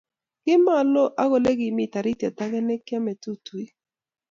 Kimaloo ak olekimi taritiet ake nekiame tutuik